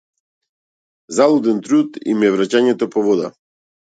Залуден труд им е враќањето по вода.